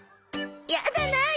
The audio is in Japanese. やだなあ